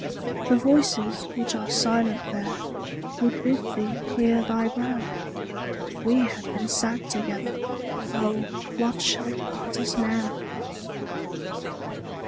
The voices which are silent there Would bid thee clear thy brow; We have been sad together. Oh, what shall part us now?